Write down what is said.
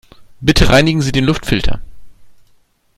Bitte reinigen Sie den Luftfilter.